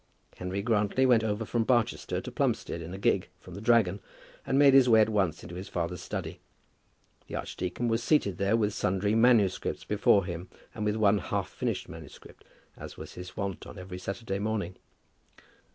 Henry Grantly went over from Barchester to Plumstead in a gig from the "Dragon," and made his way at once into his father's study. The archdeacon was seated there with sundry manuscripts before him, and with one half finished manuscript, as was his wont on every Saturday morning.